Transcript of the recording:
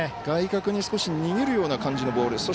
外角に少し逃げるような感じのボール。